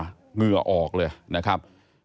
เหงื่อออกเลยนะครับ